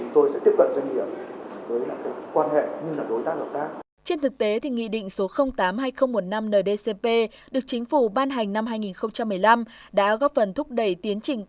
trên thực tế thì nghị định số tám hai nghìn một mươi năm ndcp được chính phủ ban hành năm hai nghìn một mươi năm đã góp phần thúc đẩy tiến trình